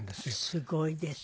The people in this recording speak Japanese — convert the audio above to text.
すごいですよね。